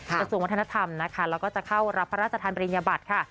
จะส่งวัฒนธรรมนะคะแล้วก็จะเข้ารับภรรษฐานปริญญาบัติค่ะ